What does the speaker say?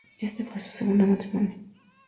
Este fue su segundo matrimonio.